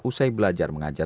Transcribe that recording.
usai belajar mengajar